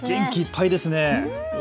元気いっぱいですね。